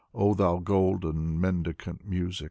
Oh thou golden mendicant music!